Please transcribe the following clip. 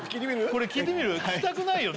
これ聴いてみる聴きたくないよね